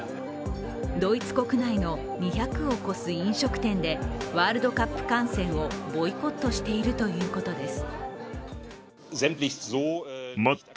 ドイツ国内の２００を超す飲食店でワールドカップ観戦をボイコットしているということです。